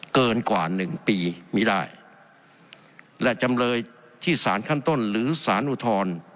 เกินกว่าหนึ่งปีมีได้และจำเลยที่สารขั้นต้นหรือสารอุทธรณ์